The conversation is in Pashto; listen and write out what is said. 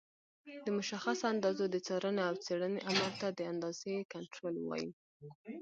د مشخصو اندازو د څارنې او څېړنې عمل ته د اندازې کنټرول وایي.